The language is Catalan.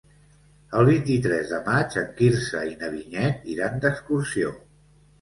El vint-i-tres de maig en Quirze i na Vinyet iran d'excursió.